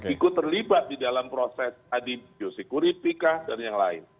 ikut terlibat di dalam proses tadi biosecurity kah dan yang lain